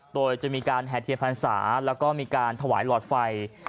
โดยจะมีการแห่เทียนพรรษาแล้วก็มีการถวายหลอดไฟ